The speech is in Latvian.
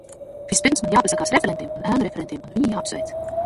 Vispirms man jāpasakās referentiem un ēnu referentiem un viņi jāapsveic.